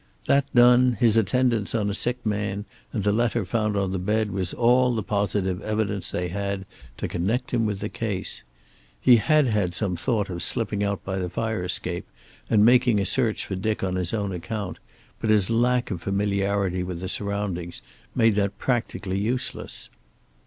That done, his attendance on a sick man, and the letter found on the bed was all the positive evidence they had to connect him with the case. He had had some thought of slipping out by the fire escape and making a search for Dick on his own account, but his lack of familiarity with his surroundings made that practically useless.